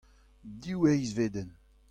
Div eizvedenn.